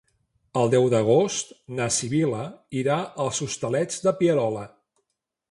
El deu d'agost na Sibil·la irà als Hostalets de Pierola.